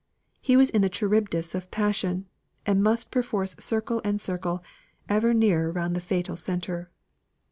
He was in the Charybdis of passion, and must perforce circle and circle ever nearer round the fatal centre.